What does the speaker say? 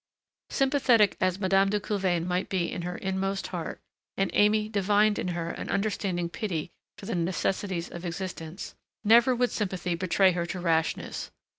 Sympathetic as Madame de Coulevain might be in her inmost heart and Aimée divined in her an understanding pity for the necessities of existence never would that sympathy betray her to rashness.